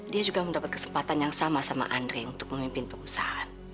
dia juga mendapat kesempatan yang sama sama andre untuk memimpin pengusaha